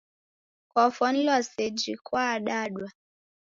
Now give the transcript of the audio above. Kwafwanilwa seji kwaadadwa.